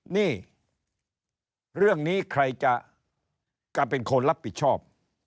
นี่เรื่องนี้ใครจะเป็นคนรับผิดชอบ